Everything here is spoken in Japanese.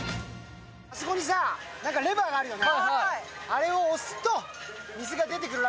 あそこにレバーがあるよね。